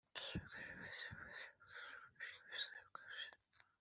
Ariko kubibwira umubyeyi wawe ntibyaba ari byiza